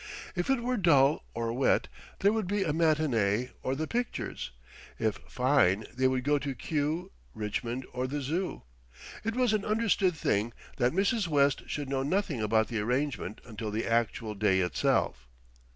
If it were dull or wet, there would be a matinee or the pictures; if fine they would go to Kew, Richmond, or the Zoo. It was an understood thing that Mrs. West should know nothing about the arrangement until the actual day itself.